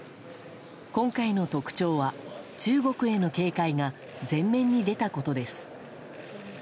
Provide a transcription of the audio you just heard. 今回の特徴は、中国への警戒が前面に出たことです。